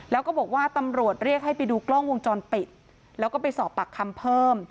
แล้วก็บอกว่าตำรวจเรียกให้ไปดูกล้องวงจรปิดแล้วก็ไปสอบปากคำเพิ่ม